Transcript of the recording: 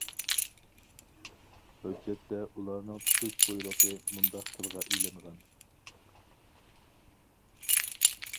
ھۆججەتتە ئۇلارنىڭ تۇتۇش بۇيرۇقى مۇنداق تىلغا ئېلىنغان.